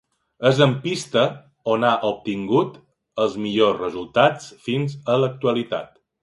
És en pista on ha obtingut els millors resultats fins a l'actualitat.